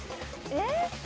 えっ？